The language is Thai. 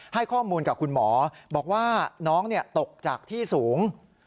ให้ข้อมูลกับคุณหมอบอกว่าน้องตกจากที่สูง